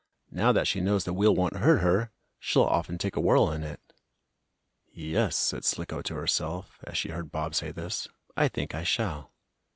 Now that she knows the wheel won't hurt her, she'll often take a whirl in it." "Yes," said Slicko to herself, as she heard Bob say this, "I think I shall."